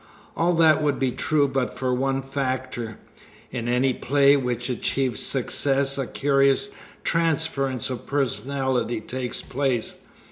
All that would be true but for one factor. In any play which achieves success a curious transference of personality takes place.